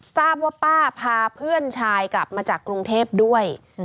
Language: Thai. ทราบว่าป้าพาเพื่อนชายกลับมาจากกรุงเทพด้วย